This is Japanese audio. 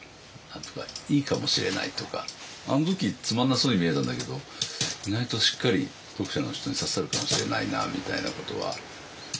いいかもしれないとかあの時つまらなそうに見えたんだけど意外としっかり読者の人に刺さるかもしれないなみたいなことは。